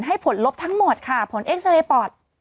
ผลลบทั้งหมดค่ะผลเอ็กซาเรย์ปอด